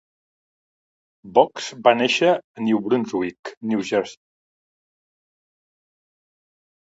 Boggs va néixer a New Brusnwick, New Jersey.